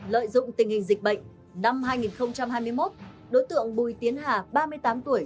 lợi dụng tình hình dịch bệnh năm hai nghìn hai mươi một đối tượng bùi tiến hà ba mươi tám tuổi